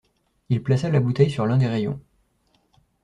Il plaça la bouteille sur l’un des rayons.